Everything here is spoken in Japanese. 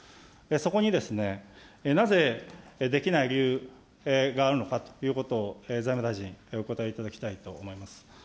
そこになぜできない理由があるのかということを、財務大臣、お答えいただきたいと思います。